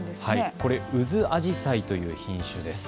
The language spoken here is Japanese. これはウズアジサイという品種です。